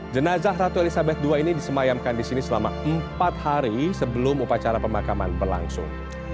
jenazah ratu elizabeth ii ini disemayamkan di sini selama empat hari sebelum upacara pemakaman berlangsung